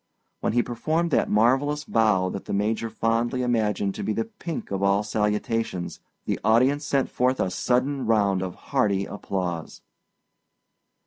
When he performed that marvelous bow that the Major fondly imagined to be the pink of all salutations, the audience sent forth a sudden round of hearty applause.